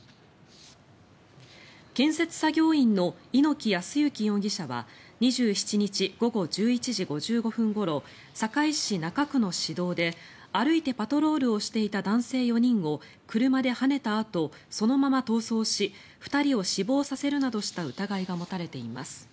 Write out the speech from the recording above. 建設作業員の猪木康之容疑者は２７日午後１１時５５分ごろ堺市中区の市道で歩いてパトロールをしていた男性４人を車ではねたあとそのまま逃走し２人を死亡させるなどした疑いが持たれています。